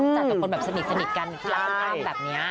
ต้องจัดกับคนแบบสนิทกันคล่ามแบบนี้